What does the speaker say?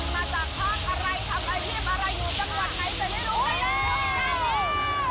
คนมาจากภาคอะไรทำไอ้เทียบอะไรอยู่จังหวัดไหนจะได้รู้ได้แล้ว